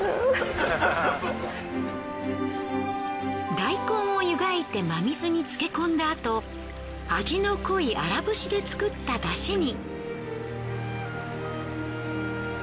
大根をゆがいて真水に漬け込んだあと味の濃い荒節で作った出汁に。